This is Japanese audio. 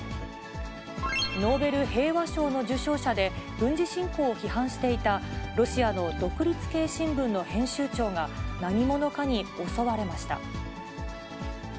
ノーベル平和賞の受賞者で、軍事侵攻を批判していたロシアの独立系新聞の編集長が、何者かに襲われました。